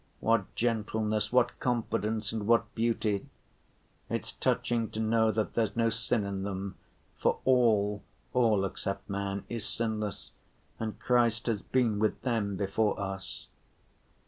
What gentleness, what confidence and what beauty! It's touching to know that there's no sin in them, for all, all except man, is sinless, and Christ has been with them before us."